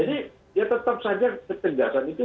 jadi tetap saja ketegasan itu